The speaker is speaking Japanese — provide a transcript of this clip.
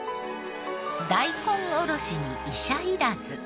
「大根おろしに医者いらず」